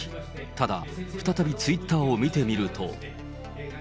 ただ、再びツイッターを見てみると。